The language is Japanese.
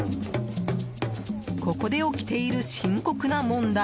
ここで起きている深刻な問題。